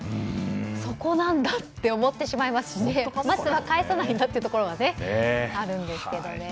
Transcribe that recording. そこなんだと思っちゃいましたしまずは返さないんだというところはあるんですけどね。